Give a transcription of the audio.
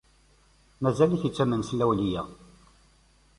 Mazal-t yettamen s lawleyya.